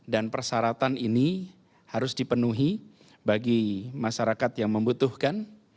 dan persaratan ini harus dipenuhi bagi masyarakat yang membutuhkan